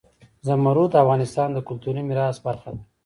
زمرد د افغانستان د کلتوري میراث برخه ده.